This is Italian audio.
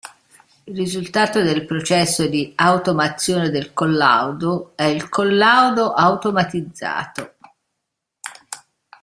Il risultato del processo di automazione del collaudo è il "collaudo automatizzato".